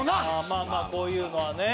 まあこういうのはね。